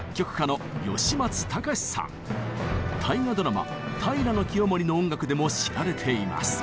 大河ドラマ「平清盛」の音楽でも知られています。